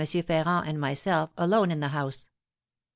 Ferrand and myself alone in the house.